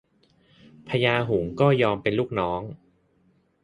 พญาฮุ้งก็ยอมเป็นลูกน้อง